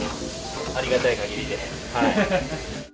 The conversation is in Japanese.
ありがたいかぎりで。